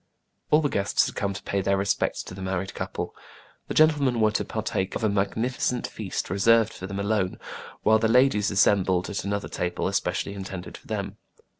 All the guests had come to pay their respects to the married couple. The gentlemen were to partake of a magnificent feast reserved for them alone, while the ladies assembled at another table especially intended for them.